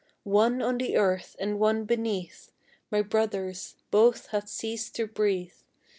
One on the earth, and one beneath My brothers both had ceased to breathe.